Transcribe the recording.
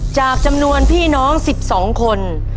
จำนวนพี่น้อง๑๒คน